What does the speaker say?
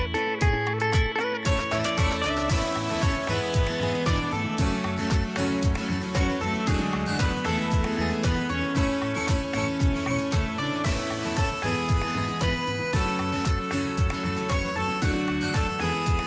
สวัสดีครับ